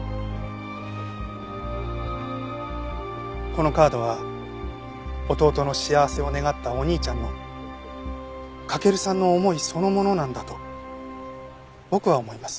このカードは弟の幸せを願ったお兄ちゃんの駆さんの思いそのものなんだと僕は思います。